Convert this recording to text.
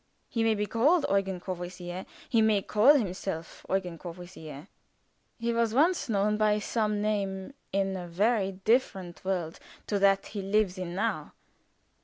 He may be called Eugen Courvoisier, or he may call himself Eugen Courvoisier; he was once known by some name in a very different world to that he lives in now.